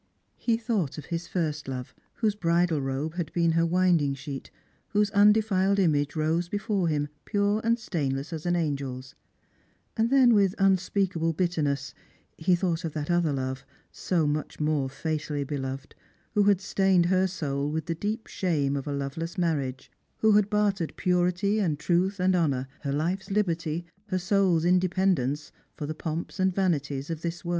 He thought of his first love, whose bridal robe had been her winding sheet, whose undefiled image rose before him, pure and Btainless as an angel's; and then, with unspeakable bitterness, he thought of that other love, so much more fatally beloved, who had stained her soul with the deep shame of a loveluss marriaf^e; who had bartered purity and truth and honour, her life's liberty, her soul's independence, for the pomps and vanities of tK's world.